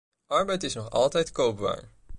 Arbeid is nog altijd koopwaar.